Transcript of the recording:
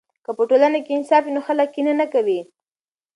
که په ټولنه کې انصاف وي نو خلک کینه نه کوي.